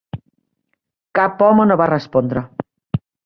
Cap home no va respondre.